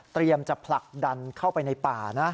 จะผลักดันเข้าไปในป่านะ